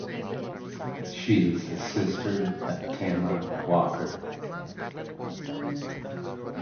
She is the sister of Tamara Walker.